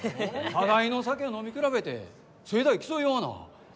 互いの酒を飲み比べてせえだい競い合わな。